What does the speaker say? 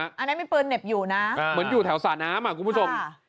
อันนั้นมีปืนเหน็บอยู่นะเหมือนอยู่แถวสระน้ำอ่ะคุณผู้ชม